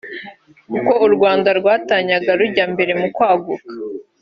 uko u Rwanda rwatanyaga rujya mbere mu kwaguka